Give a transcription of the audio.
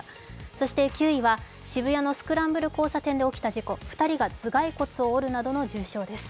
そして９位は渋谷のスクランブル交差点で起きた事故、２人が頭蓋骨を折るなどの重傷です。